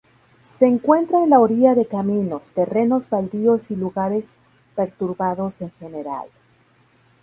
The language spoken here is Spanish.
Se encuentra en la orilla de caminos, terrenos baldíos y lugares perturbados en general.